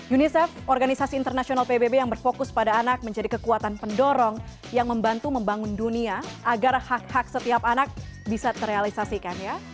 unicef organisasi internasional pbb yang berfokus pada anak menjadi kekuatan pendorong yang membantu membangun dunia agar hak hak setiap anak bisa terrealisasikan ya